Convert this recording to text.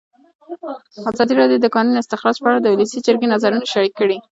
ازادي راډیو د د کانونو استخراج په اړه د ولسي جرګې نظرونه شریک کړي.